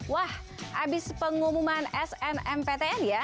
wah abis pengumuman snmptn ya